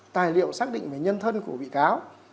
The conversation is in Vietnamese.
tài liệu xác định về nhân thân của bị cáo